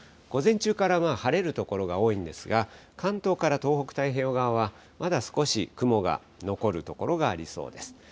午前中から晴れる所が多いんですが、関東から東北太平洋側は、まだ少し雲が残る所がありそうです。